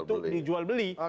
jadi memudahkan untuk dijual beli